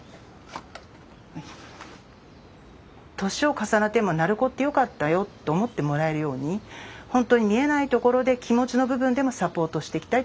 年を重ねても「鳴子ってよかったよ」と思ってもらえるようにほんとに見えないところで気持ちの部分でもサポートしていきたいっていうのが私の本音というか。